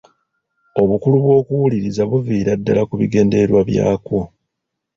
Obukulu bw'okuwuliriza buviira ddala ku bigendererwa byakwo .